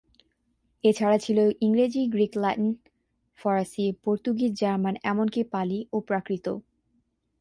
এ ছাড়া ছিল ইংরেজি, গ্রিক, ল্যাটিন, ফরাসি, পর্তুগিজ, জার্মান, এমনকি পালি ও প্রাকৃতও।